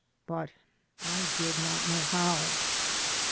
But I did not know how.